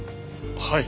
はい。